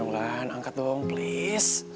jangan angkat dong please